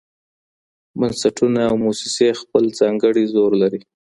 بنسټونه او موسسې خپل ځانګړی زور لري.